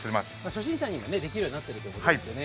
初心者にもできるようになっているということですね。